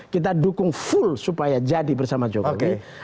kita dukung full supaya jadi bersama jokowi